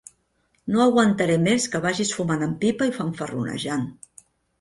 No aguantaré més que vagis fumant en pipa i fanfarronejant.